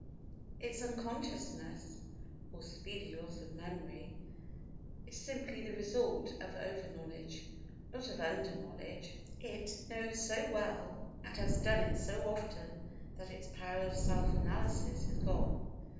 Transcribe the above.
Its unconsciousness (or speedy loss of memory) is simply the result of over knowledge, not of under knowledge. It knows so well and has done it so often that its power of self analysis is gone.